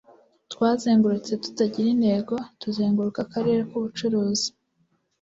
twazengurutse tutagira intego tuzenguruka akarere k'ubucuruzi